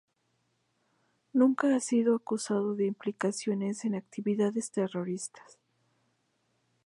Nunca ha sido acusado de implicación en actividades terroristas.